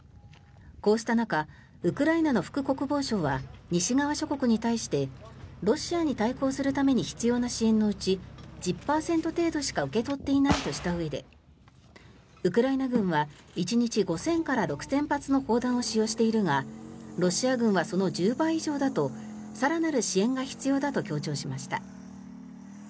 こうした中ウクライナの副国防相は西側諸国に対してロシアに対抗するために必要な支援のうち１０％程度しか受け取っていないとしたうえでウクライナ軍は１日５０００から６０００発の砲弾を使用しているがロシア軍はその１０倍以上だと更なる支援が必要だと強調しました。